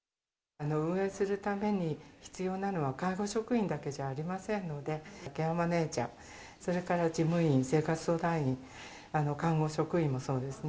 運営するために必要なのは介護職員だけじゃありませんので、ケアマネジャー、それから事務員、生活相談員、看護職員もそうですね。